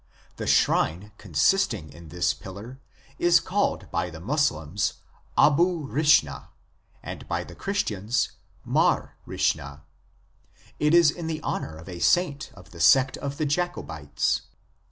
The shrine consisting in this pillar is called by the Moslems Abu Risha, and by the Christians Mar Risha. It is in honour of a saint of the sect of the Jacobites.